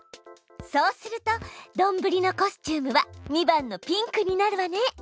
そうするとどんぶりのコスチュームは２番のピンクになるわね。